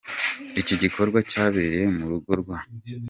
Iki gikorwa cyabereye mu rugo rwa.